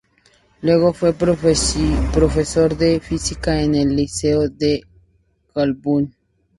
Luego, fue profesor de física en el Liceo de Colbún.